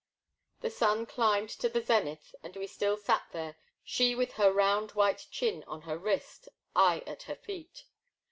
The sun climbed to the zenith and still we sat there, she with her round white chin on her wrist, I at her feet.